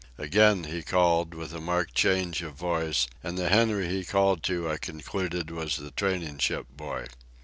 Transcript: Again he called, with a marked change of voice, and the Henry he called to I concluded was the training ship boy.